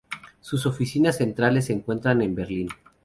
Sus oficinas centrales se encuentran en Berlín.